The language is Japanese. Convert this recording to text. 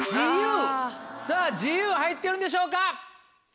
さぁ自由入ってるんでしょうか？